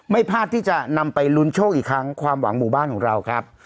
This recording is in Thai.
พลาดที่จะนำไปลุ้นโชคอีกครั้งความหวังหมู่บ้านของเราครับ